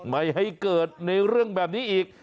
ไม่ให้เกิดในเรื่องแบบนี้อีก